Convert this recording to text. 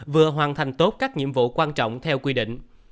vừa hoàn thành tốt các nhiệm vụ quan trọng theo quy định